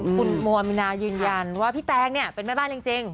คุณโมอามินายืนยันว่าพี่แตงเนี่ยเป็นแม่บ้านจริง